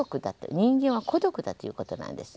人間は孤独だということなんです。